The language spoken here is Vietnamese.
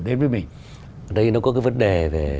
đến với mình ở đây nó có cái vấn đề về